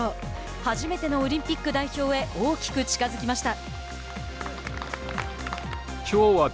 初めてのオリンピック代表へ大きく近づきました。